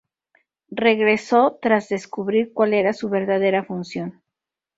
Regresó tras descubrir cual era su verdadera función.